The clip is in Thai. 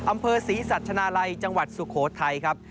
อำเภอศรีสัชนาลัยจังหวัดสุโขทัยครับ